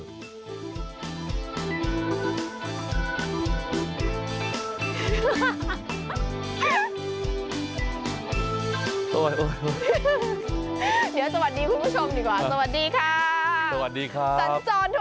เดี๋ยวสวัสดีคุณผู้ชมดีกว่าสวัสดีค่ะ